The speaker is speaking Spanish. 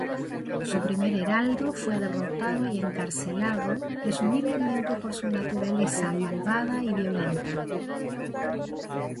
Su primer heraldo fue derrotado y encarcelado, presumiblemente por su naturaleza malvada y violenta.